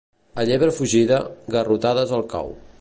A llebre fugida, garrotades al cau.